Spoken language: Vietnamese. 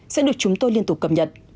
sẽ được chúng tôi liên tục cập nhật